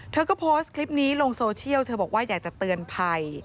เธอก็โพสต์คลิปนี้ลงโซเชียลเธอบอกว่าอยากจะเตือนภัย